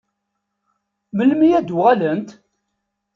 Melmi ad d-uɣalent?